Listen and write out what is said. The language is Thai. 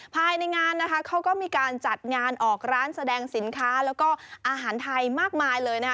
ภายในงานนะคะเขาก็มีการจัดงานออกร้านแสดงสินค้าแล้วก็อาหารไทยมากมายเลยนะคะ